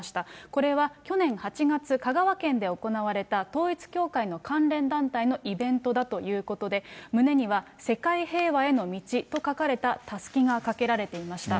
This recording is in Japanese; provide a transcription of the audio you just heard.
これは去年８月、香川県で行われた統一教会の関連団体のイベントだということで、胸には世界平和への道と書かれたたすきがかけられていました。